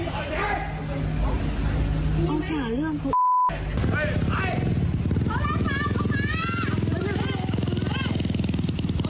เห็นัทเดียงไม่เกี่ยว